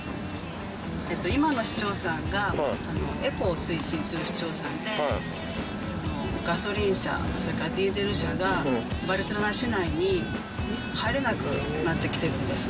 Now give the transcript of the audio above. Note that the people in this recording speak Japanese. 今の市長さんが、エコを推進する市長さんで、ガソリン車、それからディーゼル車が、バルセロナ市内に入れなくなってきてるんです。